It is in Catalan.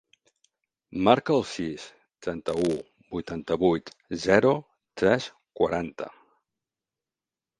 Marca el sis, trenta-u, vuitanta-vuit, zero, tres, quaranta.